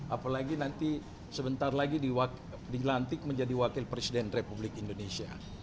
apalagi nanti sebentar lagi dilantik menjadi wakil presiden republik indonesia